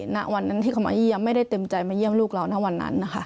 ณวันนั้นที่เขามาเยี่ยมไม่ได้เต็มใจมาเยี่ยมลูกเราณวันนั้นนะคะ